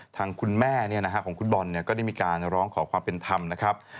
ทางคุณแม่ของคุณบอลก็ได้มีการร้องขอความเป็นธรรมนะครับ